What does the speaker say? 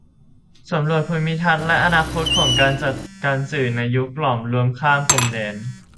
สำรวจภูมิทัศน์และอนาคตของการจัดการสื่อในยุคหลอมรวมข้ามพรมแดน